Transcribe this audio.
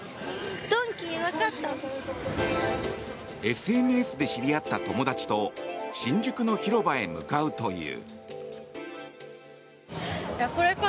ＳＮＳで知り合った友達と新宿の広場へ向かうという。